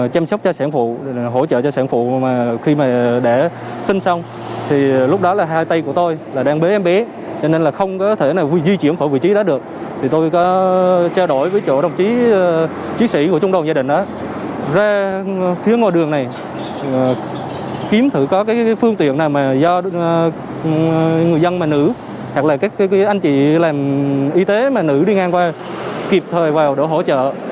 các bệnh viện do người dân nữ hoặc là các anh chị y tế nữ đi ngang qua kịp thời vào để hỗ trợ